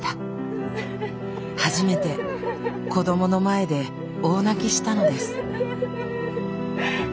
初めて子どもの前で大泣きしたのです。